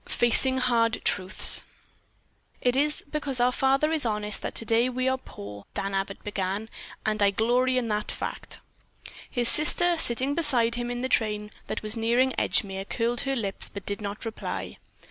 FACING HARD TRUTHS "It is because our father is honest that today we are poor," Dan Abbott began, "and I glory in that fact." His sister, sitting beside him in the train that was nearing Edgemere, curled her lips but did not reply.